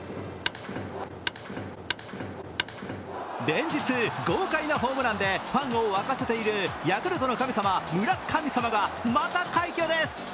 連日、豪快なホームランでファンを沸かせているヤクルトの神様、村神様がまた快挙です。